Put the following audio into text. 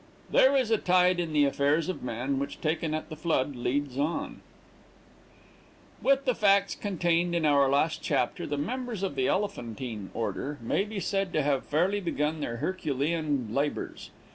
"There is a tide in the affairs of men, Which taken at the flood leads on " WITH the facts contained in our last chapter, the members of the Elephantine order may be said to have fairly begun their herculean labors.